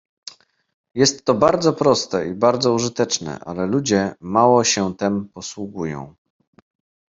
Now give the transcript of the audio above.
"Jest to bardzo proste i bardzo użyteczne, ale ludzie mało się tem posługują."